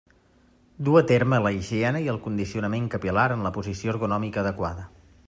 Du a terme la higiene i el condicionament capil·lar en la posició ergonòmica adequada.